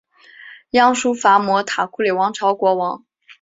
鸯输伐摩塔库里王朝国王。